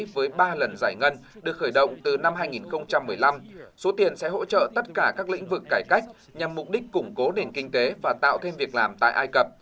với ba lần giải ngân được khởi động từ năm hai nghìn một mươi năm số tiền sẽ hỗ trợ tất cả các lĩnh vực cải cách nhằm mục đích củng cố nền kinh tế và tạo thêm việc làm tại ai cập